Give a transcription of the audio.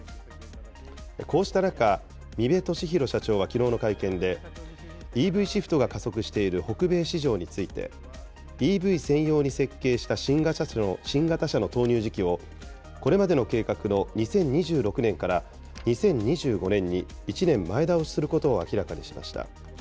こうした中、三部敏宏社長はきのうの会見で、ＥＶシフトが加速している北米市場について、ＥＶ専用に設計した新型車の投入時期をこれまでの計画の２０２６年から２０２５年に１年前倒しすることを明らかにしました。